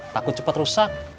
takut cepat rusak